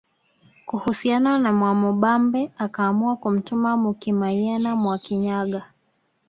Kuhusiana na Mwamubambe akaamua kumtuma Mukimayena Mwakinyaga